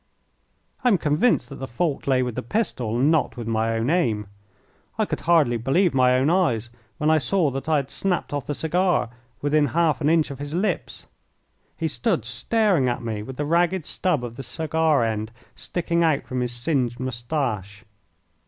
I am convinced that the fault lay with the pistol and not with my aim. I could hardly believe my own eyes when I saw that I had snapped off the cigar within half an inch of his lips. He stood staring at me with the ragged stub of the cigar end sticking out from his singed mustache.